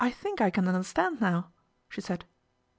think I can understand now/' she said.